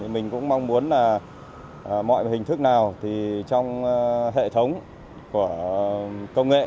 mình cũng mong muốn mọi hình thức nào trong hệ thống công nghệ